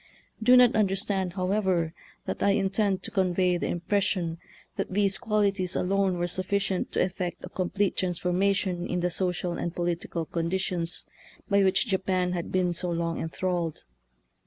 Do not understand, however, that I intend to convey the impression that these quali ties alone were sufficient to effect a com plete transformation in the social and political conditions by which Japan had been so long enthralled.